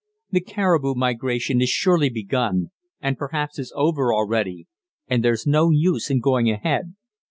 The caribou migration is surely begun, and perhaps is over already, and there's no use in going ahead."